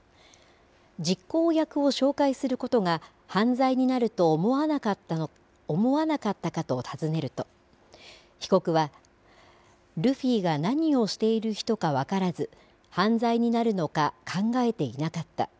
実行役を紹介することが犯罪になると思わなかったかと尋ねると被告は、ルフィが何をしている人か分からず犯罪になるのか考えていなかった。